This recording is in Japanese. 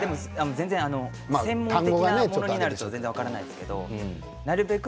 専門的なものになると全然分からないですけどなるべく